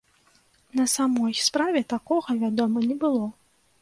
На самой справе, такога, вядома, не было.